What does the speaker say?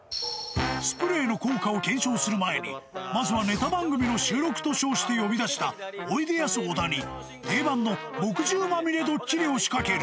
スプレーの効果を検証する前に、まずはネタ番組の収録と称して呼び出したおいでやす・小田に、定番の墨汁まみれドッキリを仕掛ける。